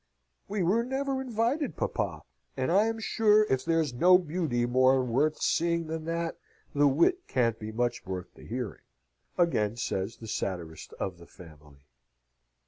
"We were never invited, papa; and I am sure if there's no beauty more worth seeing than that, the wit can't be much worth the hearing," again says the satirist of the family.